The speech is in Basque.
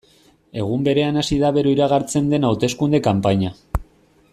Egun berean hasi da bero iragartzen den hauteskunde kanpaina.